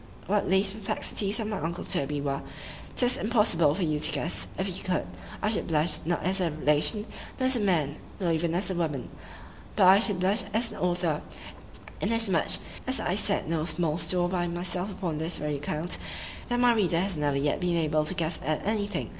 What these perplexities of my uncle Toby were,——'tis impossible for you to guess;—if you could,—I should blush; not as a relation,—not as a man,—nor even as a woman,—but I should blush as an author; inasmuch as I set no small store by myself upon this very account, that my reader has never yet been able to guess at any thing.